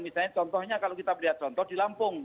misalnya contohnya kalau kita melihat contoh di lampung